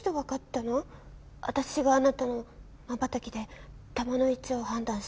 わたしがあなたのまばたきで玉の位置を判断してるって。